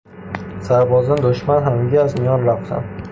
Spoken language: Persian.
سربازان دشمن همگی از میان رفتند.